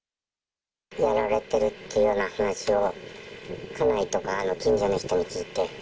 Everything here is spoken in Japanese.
やられてるっていうような話を、家内とか、近所の人に聞いて。